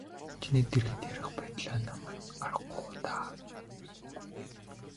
Чиний дэргэд ярих байтлаа намайг гаргах уу даа.